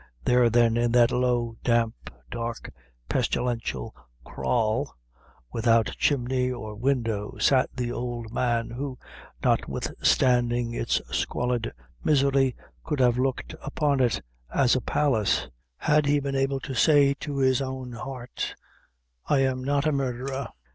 There, then, in that low, damp, dark, pestilential kraal, without chimney or window, sat the old man, who, notwithstanding its squalid misery, could have looked upon it as a palace, had he been able to say to his own heart I am not a murderer.